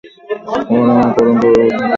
উদাহরণ: রহিম ও করিম এই কাজটি করেছে।